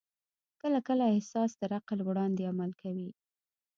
کله کله احساس تر عقل وړاندې عمل کوي.